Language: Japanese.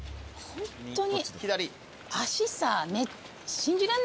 ホントだ。